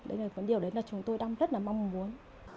đấy là điều đấy là chúng tôi đang rất là mong muốn